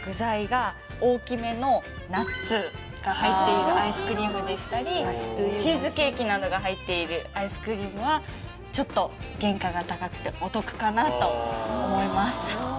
ナッツが入っているアイスクリームでしたりチーズケーキなどが入っているアイスクリームはちょっと原価が高くてお得かなと思います